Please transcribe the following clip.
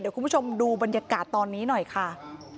คุณผู้ชมดูบรรยากาศตอนนี้หน่อยค่ะ